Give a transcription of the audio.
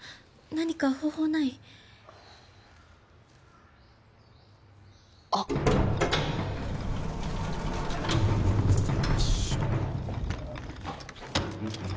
何か方法ない？あっ！よいしょ。